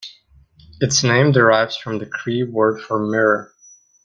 Its name derives from the Cree word for mirror.